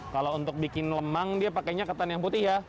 kalau untuk bikin lemang dia pakainya ketan yang putih ya